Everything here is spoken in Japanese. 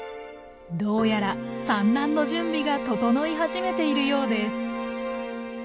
どうやら産卵の準備が整い始めているようです。